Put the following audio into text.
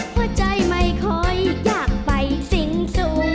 หัวใจไม่ค่อยอยากไปสิ่งสูง